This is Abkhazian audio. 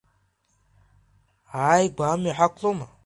Ааигәа амҩа ҳақәлома?